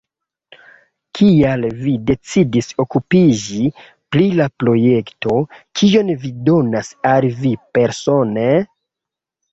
Kial vi decidis okupiĝi pri la projekto, kion ĝi donas al vi persone?